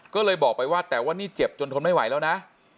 ก็เลยบอกไปว่าแต่ว่านี่เจ็บจนทนไม่ไหวแล้วนะ